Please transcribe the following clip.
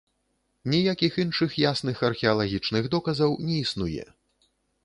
Ніякіх іншых ясных археалагічных доказаў не існуе.